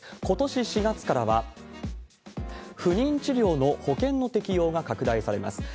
ことし４月からは、不妊治療の保険の適用が拡大されます。